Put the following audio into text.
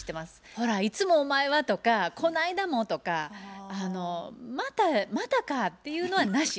「ほらいつもお前は」とか「こないだも」とかあの「またか」っていうのはなし。